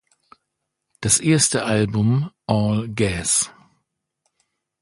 Das erste Album "All Gas.